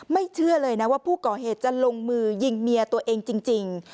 เชื่อเลยนะว่าผู้ก่อเหตุจะลงมือยิงเมียตัวเองจริง